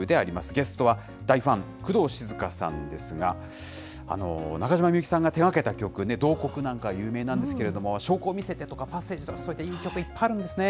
ゲストは、大ファン、工藤静香さんですが、中島みゆきさんが手がけた曲、慟哭なんか有名なんですけれども、しょうこをみせてとか、パッセージなど、いい曲がいっぱいあるんですよね。